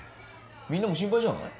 みんなも心配じゃない？